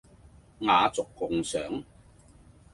雅俗共賞